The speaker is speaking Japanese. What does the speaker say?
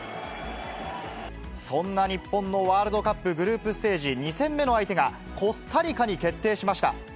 そんな日本のワールドカップグループステージ２戦目の相手が、コスタリカに決定しました。